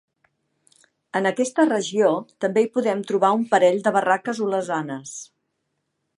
En aquesta regió també hi podem trobar un parell de barraques olesanes.